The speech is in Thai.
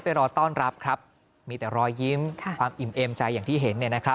รอต้อนรับครับมีแต่รอยยิ้มความอิ่มเอมใจอย่างที่เห็น